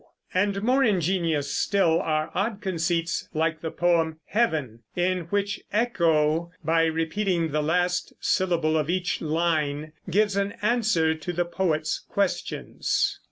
And more ingenious still are odd conceits like the poem "Heaven," in which Echo, by repeating the last syllable of each line, gives an answer to the poet's questions.